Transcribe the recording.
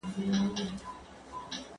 د ټولنيز محصول ټيټوالی د پرمختيا نښه نه ده.